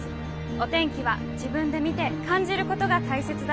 お天気は自分で見て感じることが大切だといわれています。